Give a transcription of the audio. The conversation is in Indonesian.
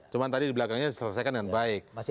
cuma tadi di belakangnya diselesaikan dengan baik